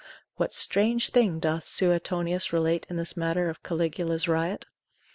What strange thing doth Sueton. relate in this matter of Caligula's riot?